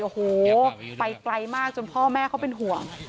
โอ้โหไปไกลมากจนพ่อแม่เขาเป็นห่วง